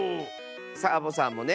サボさんもね！